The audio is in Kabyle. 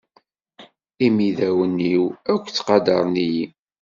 Imidawen-iw akk ttqadaren-iyi.